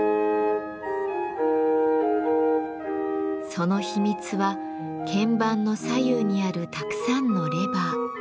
その秘密は鍵盤の左右にあるたくさんのレバー。